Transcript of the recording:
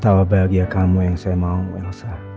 aku tahu bahagia kamu yang saya mau elsa